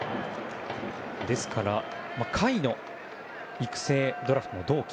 ですから、甲斐の育成ドラフトの同期。